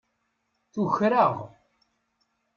Tuker-aɣ.